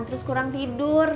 terus kurang tidur